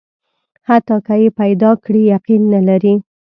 حتی که یې پیدا کړي، یقین نه لري.